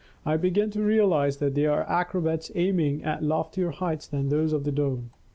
I begin to realize that they are acrobats aiming at loftier heights than those of the dome.